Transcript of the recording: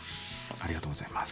ありがとうございます。